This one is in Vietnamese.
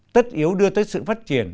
tất yếu đưa tới sự phát triển